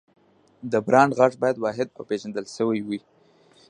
د برانډ غږ باید واحد او پېژندل شوی وي.